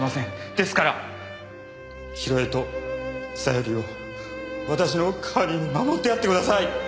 ですから広江と小百合を私の代わりに守ってやってください。